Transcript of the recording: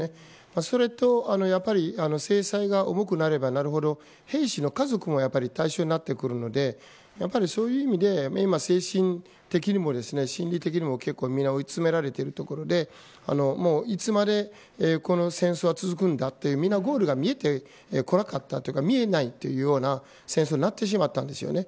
それとやはり制裁が重くなればなるほど兵士の家族も対象になってくるのでそういう意味で今、精神的にも心理的にも結構皆追い詰められているところでいつまでこの戦争は続くんだというゴールが見えてこなかったというか、見えないというような戦争になってしまったんですよね。